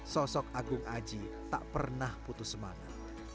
sosok agung aji tak pernah putus semangat